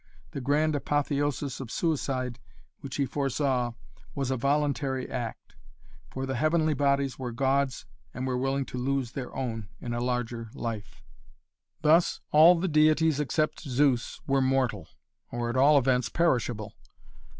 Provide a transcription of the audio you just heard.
The grand apotheosis of suicide which he foresaw was a voluntary act; for the heavenly bodies were Gods and were willing to lose their own in a larger life. Thus all the deities except Zeus were mortal, or at all events, perishable.